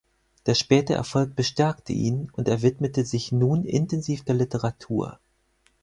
Der späte Erfolg bestärkte ihn und er widmete sich nun intensiv der Literatur.